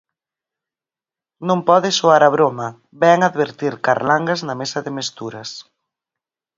Non pode soar a broma, vén advertir Carlangas na mesa de mesturas.